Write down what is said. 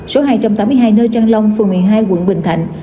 số hai trăm tám mươi hai nơi trang long phường một mươi hai quận bình thạnh